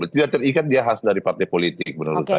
tidak terikat dia harus dari partai politik menurut saya